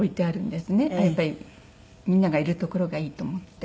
やっぱりみんながいる所がいいと思って。